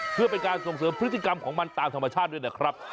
เพื่อเป็นการส่งเสริมพฤติกรรมของมันตามธรรมชาติด้วยนะครับ